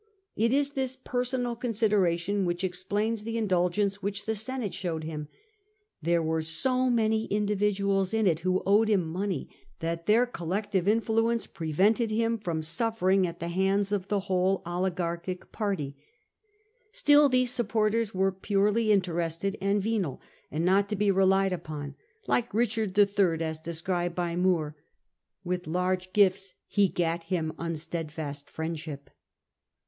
It is this personal consideration which explains the indulgence which the Senate showed him ; there were so many individuals in it who owed him money that their collective influence prevented him from suffering at the hands of the whole CRASSUS 172 oligarcHo party. Still these supporters were purely interested and venal, and not to be relied upon; like Richard ITT., as described by More, With large gifts he gat him unsteadfast friendship."